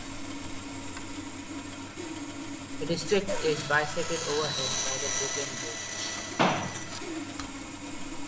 The district is bisected overhead by the Brooklyn Bridge.